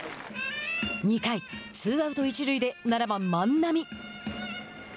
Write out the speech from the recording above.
２回、ツーアウト、一塁で７番万波。